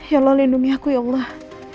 ya allah lindungi aku ya allah